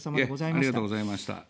いえ、ありがとうございました。